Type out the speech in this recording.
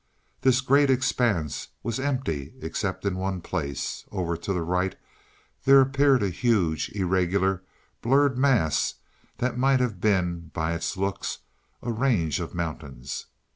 This great expanse was empty except in one place; over to the right there appeared a huge, irregular, blurred mass that might have been, by its look, a range of mountains.